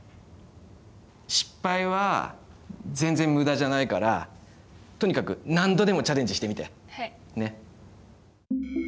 失敗は全然無駄じゃないからとにかく何度でもチャレンジしてみて。